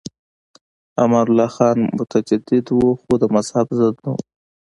امان الله خان متجدد و خو د مذهب ضد نه و.